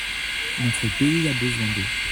Notre pays a besoin d’eux.